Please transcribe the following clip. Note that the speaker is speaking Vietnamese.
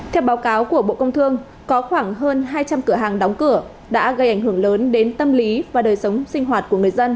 theo báo cáo của bộ công thương có khoảng hơn hai trăm linh cửa hàng đóng cửa đã gây ảnh hưởng lớn đến tâm lý và đời sống sinh hoạt của người dân